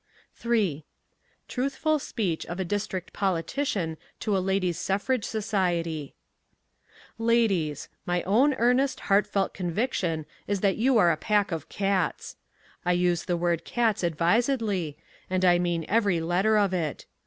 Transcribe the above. III TRUTHFUL SPEECH OF A DISTRICT POLITICIAN TO A LADIES' SUFFRAGE SOCIETY Ladies: My own earnest, heartfelt conviction is that you are a pack of cats. I use the word "cats" advisedly, and I mean every letter of it.